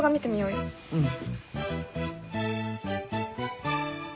うん。